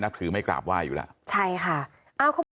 ถือไม่กราบไหว้อยู่แล้วใช่ค่ะ